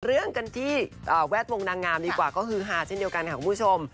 เรื่องกันที่แวดวงนางงามดีกว่าก็คือฮาเช่นเดียวกันค่ะคุณผู้ชม